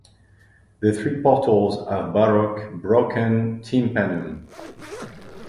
The three portals have Baroque "broken tympanum".